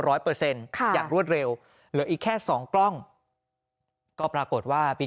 ร้อยเปอร์เซ็นต์อยากรวดเร็วเหลืออีกแค่๒กล้องก็ปรากฏว่าพี่